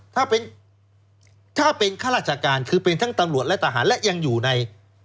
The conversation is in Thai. ถ้าเป็นถ้าเป็นข้าราชการคือเป็นทั้งตำรวจและทหารและยังอยู่ใน